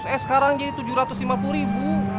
eh sekarang jadi tujuh ratus lima puluh ribu